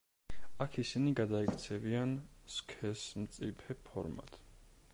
აქ ისინი გადაიქცევიან სქესმწიფე ფორმად.